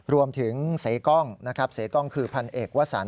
รวมถึงเสกล้องนะครับเสียกล้องคือพันเอกวสัน